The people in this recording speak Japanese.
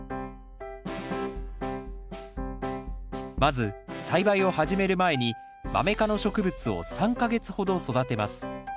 まず栽培を始める前にマメ科の植物を３か月ほど育てます。